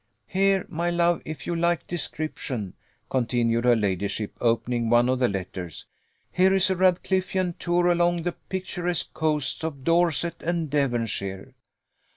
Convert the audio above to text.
Here, my love, if you like description," continued her ladyship, opening one of the letters, "here is a Radcliffean tour along the picturesque coasts of Dorset and Devonshire.